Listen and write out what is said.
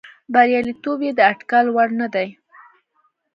بریالیتوب یې د اټکل وړ نه دی.